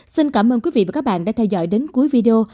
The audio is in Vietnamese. xin cảm ơn quý vị và các bạn đã theo dõi đến cuối video